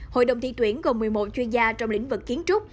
hội đồng thi tuyển gồm một mươi một chuyên gia trong lĩnh vực kiến trúc